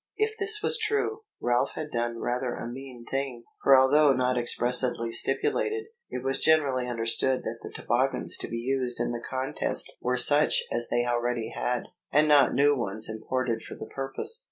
If this was true, Ralph had done rather a mean thing; for although not expressly stipulated, it was generally understood that the toboggans to be used in the contest were such as they already had, and not new ones imported for the purpose.